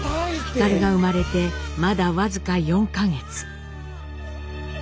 皓が生まれてまだ僅か４か月。